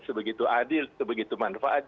sebegitu adil sebegitu manfaat